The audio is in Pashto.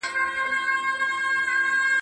په هفتو یې سره وکړل مجلسونه.